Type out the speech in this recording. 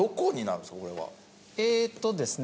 えーっとですね